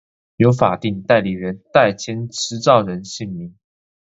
由法定代理人代簽持照人姓名